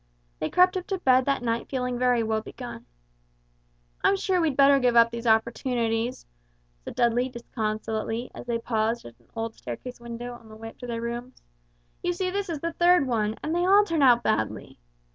They crept up to bed that night feeling very woe begone. "I'm sure we'd better give up these opportunities," said Dudley, disconsolately, as they paused at an old staircase window on their way to their rooms; "you see this is the third one, and they all turn out badly.